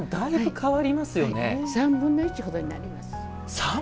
３分の１ほどになります。